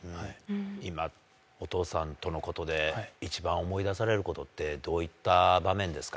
今、お父さんとのことで、一番思い出されることってどういった場面ですか。